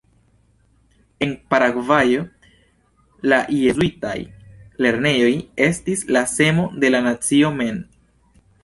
En Paragvajo, la jezuitaj lernejoj estis la semo de la nacio mem.